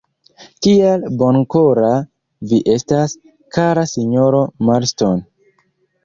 Kiel bonkora vi estas, kara sinjoro Marston!